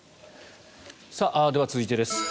では、続いてです。